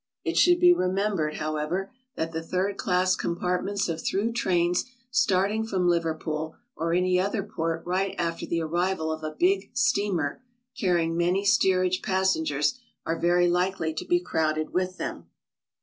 It should be remembered, however, that the third class compartments of through trains starting from Liver pool or any other port right after the arrival of a big steamer carrying many steerage passengers, are very likely to be crowded with them.